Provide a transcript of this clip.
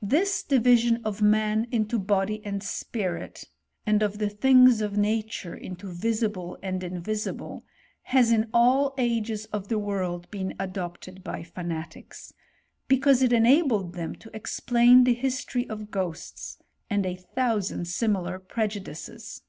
This division of man into body and spirit, and of the things of nature into visible and invisible, has in jjl ages of the world, been adopted by fanatics, be eause it enabled them to explain the history of ghosts, a^id a thousand similar prejudices.